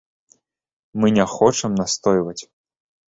Мы не хочам настойваць.